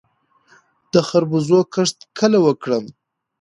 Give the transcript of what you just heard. د خربوزو کښت کله وکړم؟